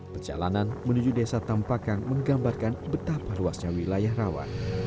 perjalanan menuju desa tampakang menggambarkan betapa luasnya wilayah rawa